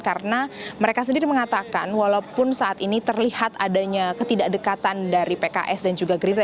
karena mereka sendiri mengatakan walaupun saat ini terlihat adanya ketidakdekatan dari pks dan juga gerindra